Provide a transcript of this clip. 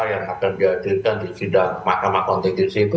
yang akan dihadirkan di sidang mahkamah konstitusi itu